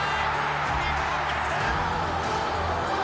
日本逆転！